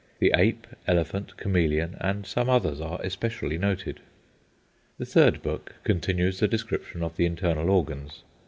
The ape, elephant, chameleon, and some others are especially noticed. The third book continues the description of the internal organs.